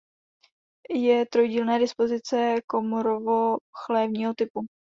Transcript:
Je trojdílné dispozice komorovo–chlévního typu.